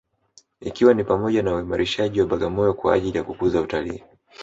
Ikiwa ni pamoja na uimarishaji wa Bagamoyo kwa ajili ya kukuza utalii